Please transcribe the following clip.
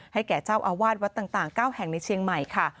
แก่เจ้าอาวาสวัดต่าง๙แห่งในเชียงใหม่ค่ะ